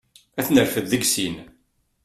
Ad t-nerfed deg sin.